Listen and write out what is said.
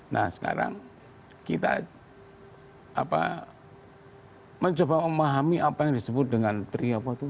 nah sekarang kita mencoba memahami apa yang disebut dengan tri apa itu